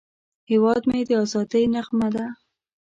هیواد مې د ازادۍ نغمه ده